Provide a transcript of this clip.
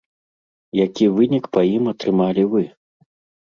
Які вынік па ім атрымалі вы?